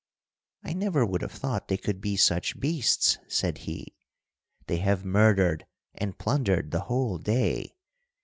'I never would have thought they could be such beasts,' said he. 'They have murdered and plundered the whole day.